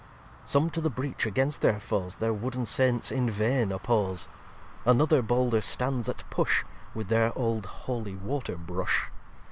xxxii Some to the Breach against their Foes Their Wooden Saints in vain oppose Another bolder stands at push With their old Holy Water Brush.